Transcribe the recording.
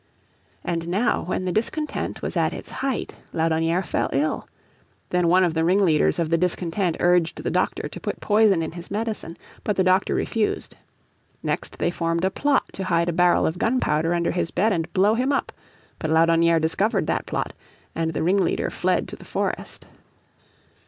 And now when the discontent was at its height Laudonnière fell ill. Then one of the ringleaders of the discontent urged the doctor to put poison in his medicine. But the doctor refused. Next they formed a plot to hide a barrel of gunpowder under his bed and blow him up. But Laudonnière discovered that plot, and the ringleader fled to the forest.